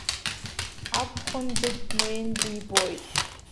Абхәындагь днеин дибоит.